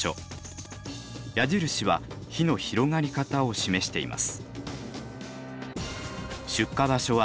矢印は火の広がり方を示しています。